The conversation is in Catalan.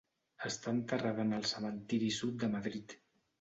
Està enterrada en el Cementiri Sud de Madrid.